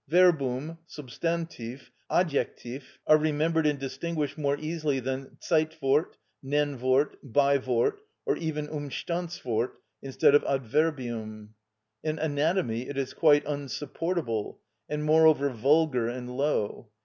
"Verbum," "substantiv," "adjectiv," are remembered and distinguished more easily than "Zeitwort," "Nennwort," "Beiwort," or even "Umstandswort" instead of "adverbium." In Anatomy it is quite unsupportable, and moreover vulgar and low.